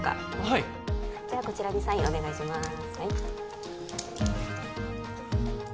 はいではこちらにサインお願いします